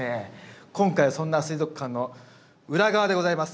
今回はそんな水族館の裏側でございます。